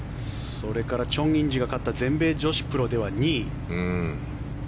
それからチョン・インジが勝った全米女子プロでは２位。